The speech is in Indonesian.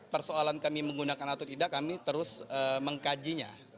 persoalan kami menggunakan atau tidak kami terus mengkajinya